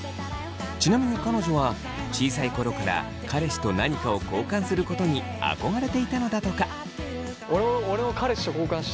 ちなみに彼女は小さい頃から彼氏と何かを交換することに憧れていたのだとか。